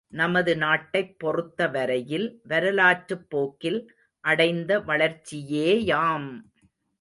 நமது நாட்டைப் பொறுத்தவரையில் வரலாற்றுப் போக்கில் அடைந்த வளர்ச்சியேயாம்!